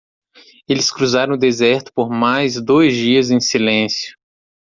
Eles cruzaram o deserto por mais dois dias em silêncio.